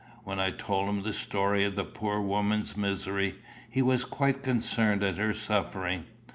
When I told him the story of the poor woman's misery, he was quite concerned at her suffering.